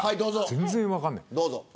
全然分からない。